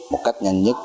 một cách nhanh nhất